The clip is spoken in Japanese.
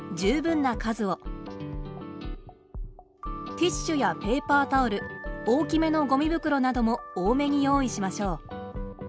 ティッシュやペーパータオル大きめのゴミ袋なども多めに用意しましょう。